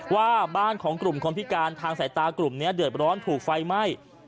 ว่าบ้านของกลุ่มคนพิการทางสายตากลุ่มนี้เดือดร้อนถูกไฟไหม้